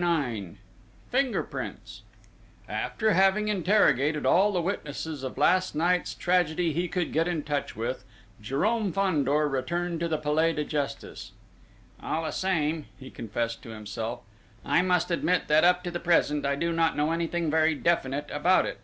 IX FINGER PRINTS After having interrogated all the witnesses of last night's tragedy he could get into touch with, Jérôme Fandor returned to the Palais de Justice. "All the same," he confessed to himself, "I must admit that, up to the present, I do not know anything very definite about it.